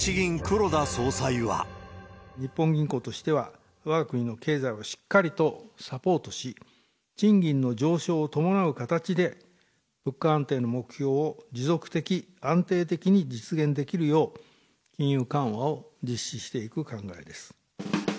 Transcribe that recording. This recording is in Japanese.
日本銀行としては、わが国の経済をしっかりとサポートし、賃金の上昇を伴う形で、物価安定の目標を持続的、安定的に実現できるよう、金融緩和を実施していく考えです。